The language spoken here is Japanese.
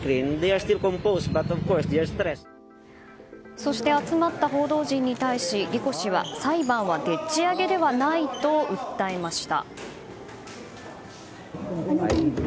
そして、集まった報道陣に対しリコ氏は、裁判はでっち上げではないと訴えました。